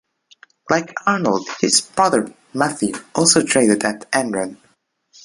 Like Arnold, his brother, Matthew, also traded at Enron.